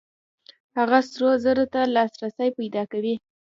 هغه سرو زرو ته لاسرسی پیدا کوي.